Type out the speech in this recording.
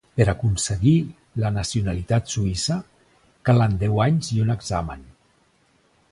Per aconseguir la nacionalitat suïssa, calen deu anys i un examen.